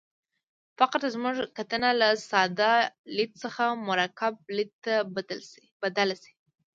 فقر ته زموږ کتنه له ساده لید څخه مرکب لید ته بدله شي.